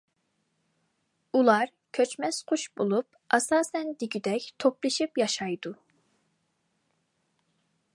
ئۇلار كۆچمەس قۇش بولۇپ، ئاساسەن دېگۈدەك توپلىشىپ ياشايدۇ.